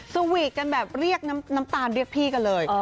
สวีทกันแบบเรียกน้ำตาลเรียกพี่กันเลย